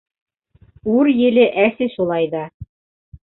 Үр еле әсе шулай ҙа.